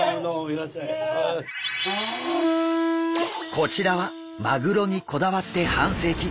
こちらはマグロにこだわって半世紀。